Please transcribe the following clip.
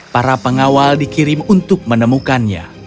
para pengawal dikirim untuk menemukannya